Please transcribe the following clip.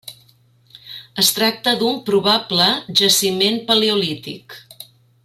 Es tracta d’un probable jaciment paleolític.